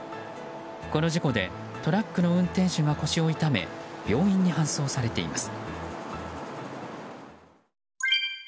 この事故で、トラックの運転手が腰を痛め病院に搬送されています。